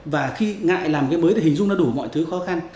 và khi ngại làm cái mới thì hình dung nó đủ mọi thứ khó khăn